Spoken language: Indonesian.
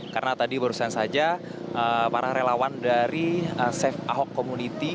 karena tadi barusan saja para relawan dari safe ahok community